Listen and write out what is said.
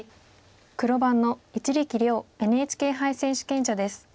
黒番の一力遼ＮＨＫ杯選手権者です。